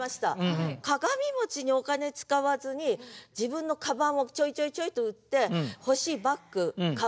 鏡にお金使わずに自分のカバンをちょいちょいちょいと売って欲しいバッグ買う。